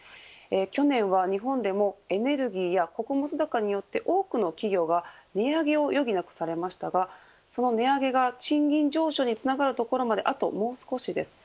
去年は日本でも、エネルギーや穀物高によって多くの企業が値上げを余儀なくされましたがその値上げが賃金上昇につながるところまであともう少しです。